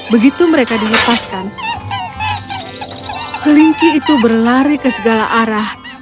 begitu mereka dilepaskan kelinci itu berlari ke segala arah